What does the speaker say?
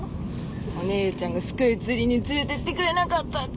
お姉ちゃんがスカイツリーに連れてってくれなかったって。